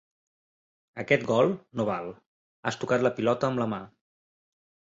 Aquest gol no val: has tocat la pilota amb la mà.